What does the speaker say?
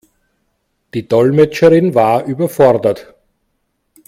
Die Dolmetscherin war überfordert.